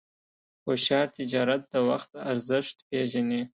هوښیار تجارت د وخت ارزښت پېژني.